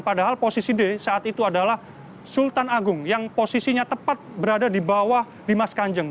padahal posisi d saat itu adalah sultan agung yang posisinya tepat berada di bawah dimas kanjeng